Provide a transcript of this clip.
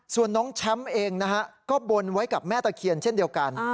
ส่วนน้องแชมป์เองนะฮะก็บนไว้กับแม่ตะเคียนเช่นเดียวกัน